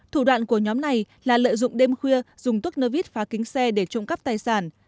thủ đoạn của nhóm này là lợi dụng đêm khuya dùng tuốc nơ vít phá kính xe để trộm cắp tài sản